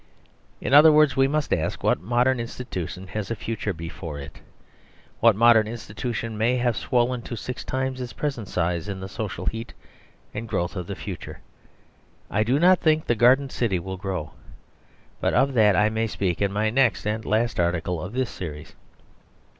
In other words, we must ask what modern institution has a future before it? What modern institution may have swollen to six times its present size in the social heat and growth of the future? I do not think the Garden City will grow: but of that I may speak in my next and last article of this series.